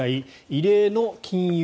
異例の金融